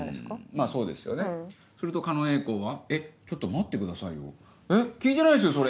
まぁそうですよねすると狩野英孝は「えっちょっと待ってくださいよえっ聞いてないですよ